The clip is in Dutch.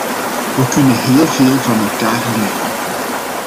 We kunnen heel veel van elkaar leren.